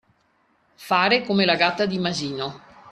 Fare come la gatta di Masino.